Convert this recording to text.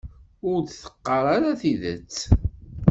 Ur d-teqqar ara tidet.